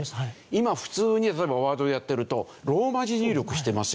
今普通に例えばＷｏｒｄをやっているとローマ字入力していますよね。